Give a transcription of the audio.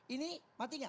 ini mati gak